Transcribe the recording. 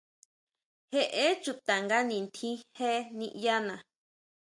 Jeʼe chuta nga nitjín je niʼyana.